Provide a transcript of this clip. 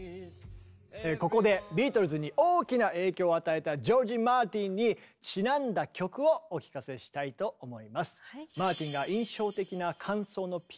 ここでビートルズに大きな影響を与えたジョージ・マーティンにちなんだ曲をお聴かせしたいと思います。